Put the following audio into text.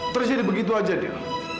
terjadi begitu saja dilek